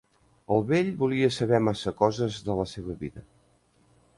El vell volia saber massa coses de la seva vida.